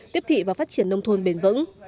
tiếp thị và phát triển nông thôn bền vững